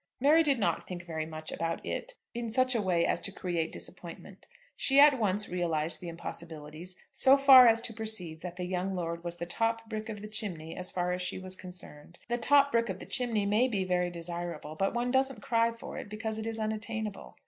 Mary did not think very much about "it" in such a way as to create disappointment. She at once realised the impossibilities, so far as to perceive that the young lord was the top brick of the chimney as far as she was concerned. The top brick of the chimney may be very desirable, but one doesn't cry for it, because it is unattainable.